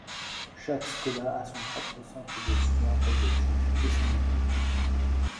Chaque Schola a son propre centre de soins palliatifs et son église.